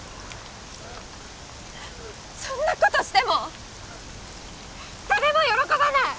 そんな事しても誰も喜ばない！